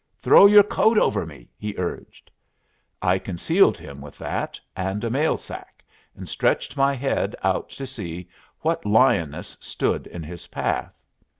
"Throw your coat over me," he urged. I concealed him with that and a mail sack, and stretched my head out to see what lioness stood in his path.